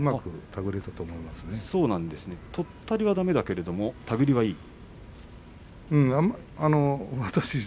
とったりはだめだけど手繰りはいいんですか？